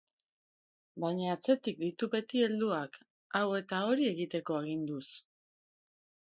Baina atzetik ditu beti helduak, hau eta hori egiteko aginduz.